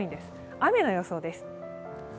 雨の予想です。